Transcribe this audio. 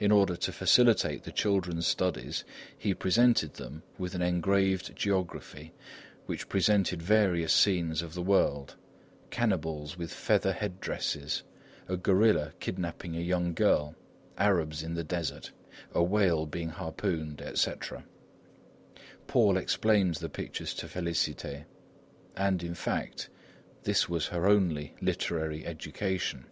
In order to facilitate the children's studies, he presented them with an engraved geography which represented various scenes of the world: cannibals with feather head dresses, a gorilla kidnapping a young girl, Arabs in the desert, a whale being harpooned, etc. Paul explained the pictures to Félicité. And, in fact, this was her only literary education.